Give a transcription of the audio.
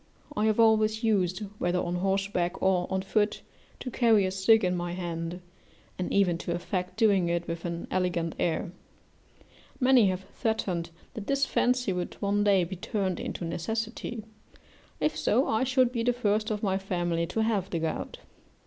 I have always used, whether on horseback or on foot, to carry a stick in my hand, and even to affect doing it with an elegant air; many have threatened that this fancy would one day be turned into necessity: if so, I should be the first of my family to have the gout.